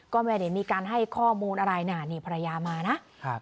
ก็ไม่ได้มีการให้ข้อมูลอะไรนะนี่ภรรยามานะครับ